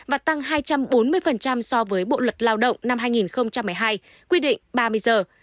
và tăng hai trăm bốn mươi so với bộ luật lao động năm hai nghìn một mươi hai quy định ba mươi giờ